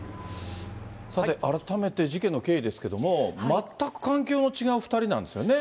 さて、改めて事件の経緯ですけれども、全く環境の違う２人なんですよね。